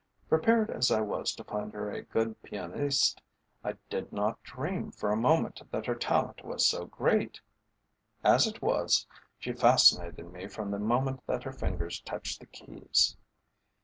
Prepared as I was to find her a good pianiste, I did not dream for a moment that her talent was so great. As it was, she fascinated me from the moment that her fingers touched the keys.